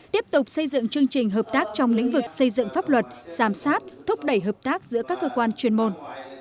tiếp tục xây dựng chương trình hợp tác trong lĩnh vực xây dựng pháp luật giám sát thúc đẩy hợp tác giữa các cơ quan chuyên môn